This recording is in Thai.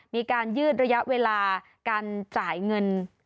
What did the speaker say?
มีการยืดระยะเวลาการจ่ายเงิน